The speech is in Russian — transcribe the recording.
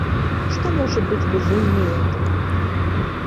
Что может быть безумнее этого.